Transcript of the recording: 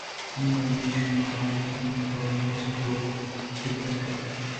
ان میں بے شمار فرقے ہیں اور بہت سے لوگ لبرل ہیں۔